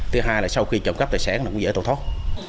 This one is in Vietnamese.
thứ hai là sau khi trộm cắp tài sản cũng dễ tồn thoát